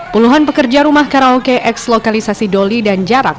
puluhan pekerja rumah karaoke eks lokalisasi doli dan jarak